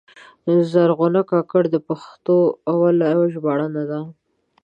زرغونه کاکړه د پښتو اوله ژباړنه ده.